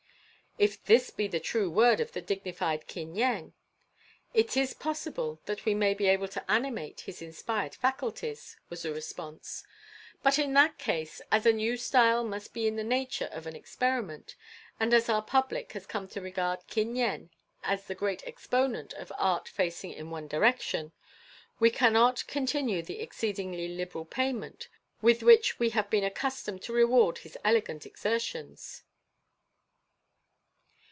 "If this be the true word of the dignified Kin Yen, it is possible that we may be able to animate his inspired faculties," was the response. "But in that case, as a new style must be in the nature of an experiment, and as our public has come to regard Kin Yen as the great exponent of Art Facing in One Direction, we cannot continue the exceedingly liberal payment with which we have been accustomed to reward his elegant exertions."